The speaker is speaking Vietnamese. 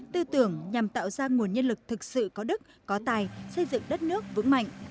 tư tưởng nhằm tạo ra nguồn nhân lực thực sự có đức có tài xây dựng đất nước vững mạnh